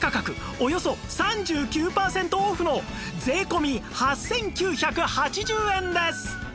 およそ３９パーセントオフの税込８９８０円です